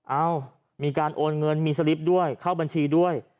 เอ้ามีการโอนเงินมีสลิปด้วยเข้าบัญชีด้วย